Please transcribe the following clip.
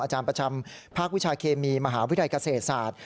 อาจารย์ประจำภาควิชาเคมีมหาวิทยาลัยเกษตรศาสตร์